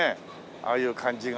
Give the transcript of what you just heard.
ああいう感じが。